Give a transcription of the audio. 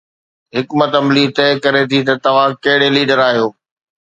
حڪمت عملي طئي ڪري ٿي ته توهان ڪهڙي ليڊر آهيو.